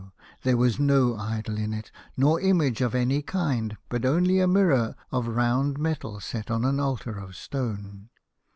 there was no idol in it, nor image of any kind, but only a mirror of round metal set on an altar of stone.